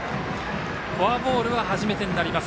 フォアボールは初めてになります。